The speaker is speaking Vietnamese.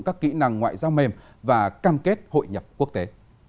các kỹ năng ngoại giao mềm và cam kết hội nhập quốc tế